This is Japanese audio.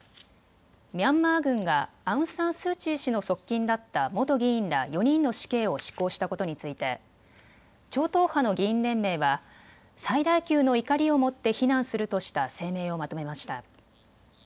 ミャンマー軍がアウン・サン・スー・チー氏の側近だった元議員ら４人の死刑を執行したことについて超党派の議員連盟は最大級の怒りを持って非難するとした声明をまとめました。